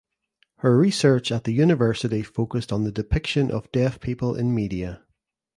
Her research at the university focused on the depiction of deaf people in media.